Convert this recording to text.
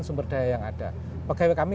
sumber daya yang ada pegawai kami